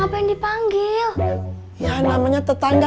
engga bisa ngepangin kursi sama sama ini aja